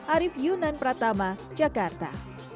arief yunan pratama jakarta